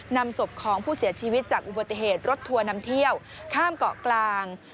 นำศพของผู้เสียชีวิตจากอุบัติเหตุรถทัวร์นำเที่ยวข้ามเกาะกลาง